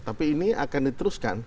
tapi ini akan diteruskan